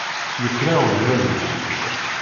Yefreɣ ugrab-iw.